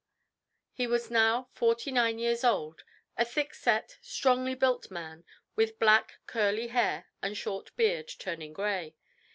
He was now forty nine years old a thick set, strongly built man, with black curly hair and short beard, turning gray.